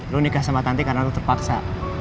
lu nikah sama tante karena lu terpaksa